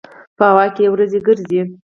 په هوا کې یې وريځې ګرځي.